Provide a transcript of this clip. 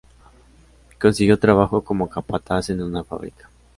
Consiguió trabajó como capataz en una fábrica.